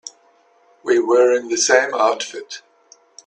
We were in the same outfit.